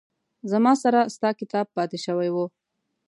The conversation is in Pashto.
زما سره ستا کتاب پاتې شوي وه